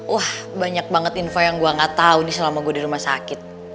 wah banyak banget info yang gue gak tau nih selama gue di rumah sakit